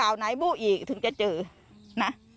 เก่าไหนบุกอีกถึงกระเจอนะ